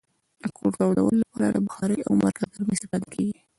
د کور تودولو لپاره له بخارۍ او مرکزګرمي استفاده کیږي.